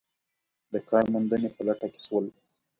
د کار موندنې په لټه کې شول.